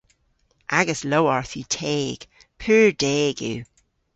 Agas lowarth yw teg. Pur deg yw.